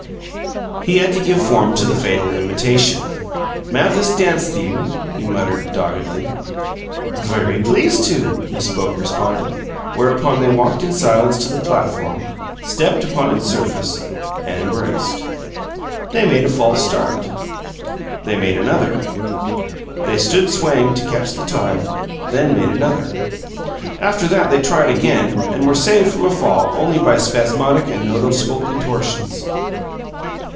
He had to give form to the fatal invitation. "M'av this dance 'thyou?" he muttered, doggedly. "Vurry pleased to!" Miss Boke responded, whereupon they walked in silence to the platform, stepped upon its surface, and embraced. They made a false start. They made another. They stood swaying to catch the time; then made another. After that they tried again, and were saved from a fall only by spasmodic and noticeable contortions.